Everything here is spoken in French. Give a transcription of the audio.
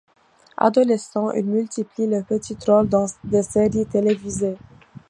Adolescent, il multiplie les petits rôles dans des séries télévisées.